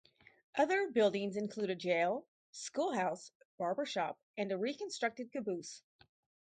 Other buildings include a jail, schoolhouse, barbershop, and a reconstructed caboose.